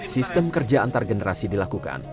sistem kerja antar generasi dilakukan